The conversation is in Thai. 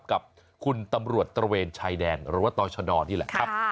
กับคุณตำรวจตระเวนชายแดนหรือว่าต่อชะดอนี่แหละครับ